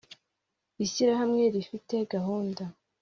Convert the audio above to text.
ishyirahamwe rifite gahunda